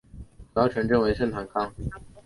主要城镇为圣康坦。